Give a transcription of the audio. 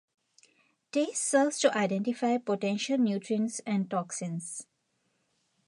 Taste serves to identify potential nutrients and toxins.